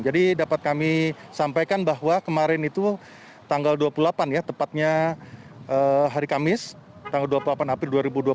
jadi dapat kami sampaikan bahwa kemarin itu tanggal dua puluh delapan tepatnya hari kamis tanggal dua puluh delapan april dua ribu dua puluh dua